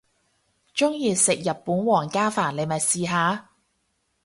鍾意食日本皇家飯你咪試下